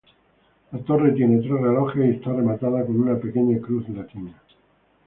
La torre tiene tres relojes y está rematada con una pequeña cruz latina.